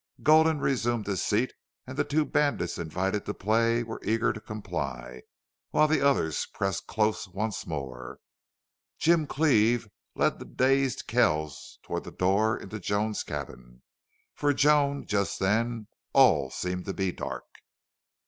Gulden resumed his seat, and the two bandits invited to play were eager to comply, while the others pressed close once more. Jim Cleve led the dazed Kells toward the door into Joan's cabin. For Joan just then all seemed to be dark.